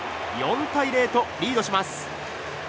４対０とリードします。